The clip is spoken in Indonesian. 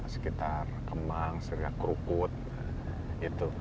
sekitar kemang sekitar krukut itu